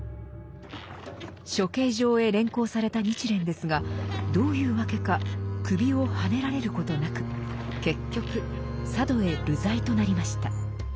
処刑場へ連行された日蓮ですがどういうわけか首をはねられることなく結局佐渡へ流罪となりました。